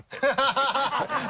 ハハハハハ。